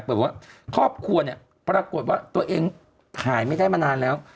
ปรากฏว่าตัวเองหายไม่ได้มานานแล้ว